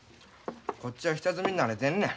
こっちは下積みに慣れてんねん。